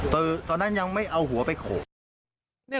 ตอนนั้นยังไม่เอาหัวไปโขก